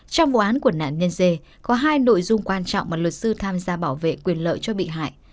trong vụ án của nạn nhân dê có hai nội dung quan trọng mà luật sư tham gia bảo vệ quyền lợi cho bị hại